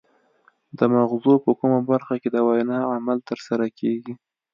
د مغزو په کومه برخه کې د وینا عمل ترسره کیږي